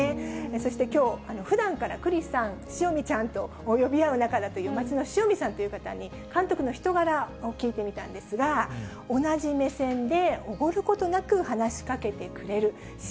そしてきょう、ふだんからくりさん、塩見ちゃんと呼び合う仲だという町の塩見さんという方に、監督の人柄を聞いてみたんですが、同じ目線でおごることなく、話かけてくれる。